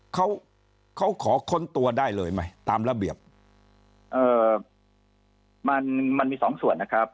เขาเขาขอค้นตัวได้เลยไหมตามระเบียบเอ่อมันมันมีสองส่วนนะครับ